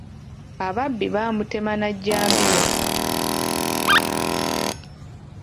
Ababbi baamutema na jjambiya.